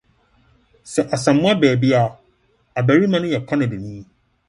Sɛ́ Asamoah babea abarimaa no yɛ Canadani.